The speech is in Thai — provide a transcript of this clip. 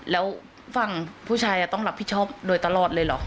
แล้วฝั่งผู้ชายต้องรับผิดชอบโดยตลอดเลยเหรอ